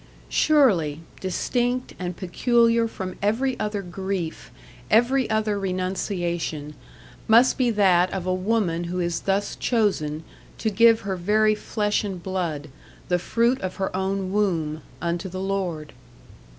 Surely, distinct and peculiar from every other grief, every other renunciation, must be that of a woman who is thus chosen to give her very flesh and blood, the fruit of her own womb, unto the Lord!